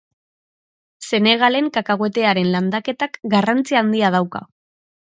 Senegalen kakahuetearen landaketak garrantzia handia dauka.